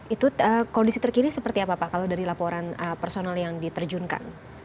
itu kondisi terkini seperti apa pak kalau dari laporan personal yang diterjunkan